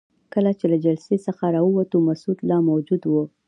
کله چې له جلسې څخه راووتو مسعود لا موجود وو.